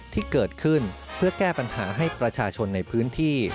ที่เกิดขึ้นเพื่อแก้ปัญหาให้ประชาชนในพื้นที่